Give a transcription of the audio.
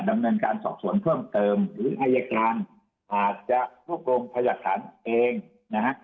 ดำเนินการสอบสวนเพิ่มเติมหรืออายการอาจจะรวบรวมพยาหลักฐานเองนะฮะ